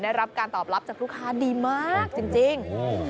ได้รับการตอบรับจากลูกค้าดีมากจริง